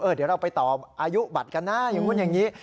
เดี๋ยวเราไปต่ออายุบัตรกันนะอย่างนู้นอย่างนี้